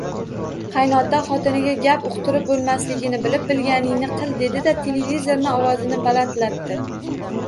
Qaynota xotiniga gap uqtirib bo`lmasligini bilib, bilganingni qil dedi-da, televizorning ovozini balandlatdi